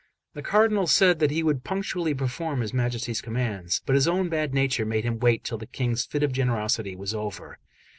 The Cardinal said that he would punctually perform his Majesty's commands; but his own bad nature made him wait till the King's fit of generosity was over.